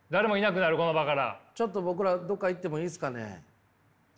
ちょっと僕らどこか行ってもいいですかね？